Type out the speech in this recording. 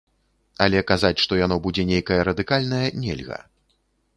Але казаць, што яно будзе нейкае радыкальнае, нельга.